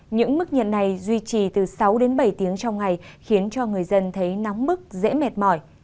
những mức nhiệt này duy trì từ sáu đến bảy tiếng trong ngày khiến cho người dân thấy nóng mức dễ mệt mỏi